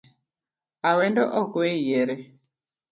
Awendo ok we yiere